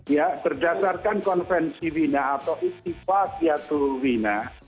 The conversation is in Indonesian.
ya berdasarkan konvensi wina atau istifad yaitu wina